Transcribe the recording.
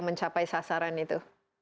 mencapai sasaran itu